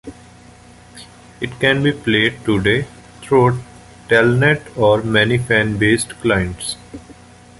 It can be played today through Telnet or many fan based clients.